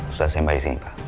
sudah sampai sini pak